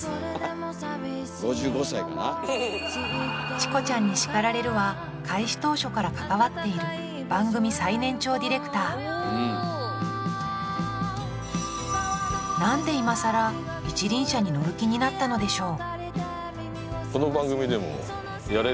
「チコちゃんに叱られる！」は開始当初から関わっている番組最年長ディレクターなんで今さら一輪車に乗る気になったのでしょう？